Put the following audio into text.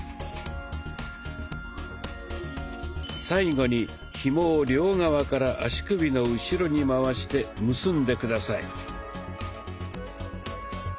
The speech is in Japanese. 最後にひもを両側から足首の後ろに回して結んで下さい。